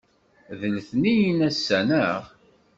D letniyen ass-a, naɣ?